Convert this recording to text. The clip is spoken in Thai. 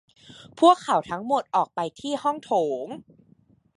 พวกเขาทั้งหมดออกไปที่ห้องโถง